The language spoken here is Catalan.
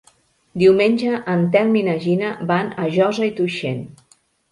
Diumenge en Telm i na Gina van a Josa i Tuixén.